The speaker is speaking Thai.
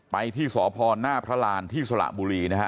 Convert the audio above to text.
ไปที่สพหน้าพระรานที่สระบุรีนะฮะ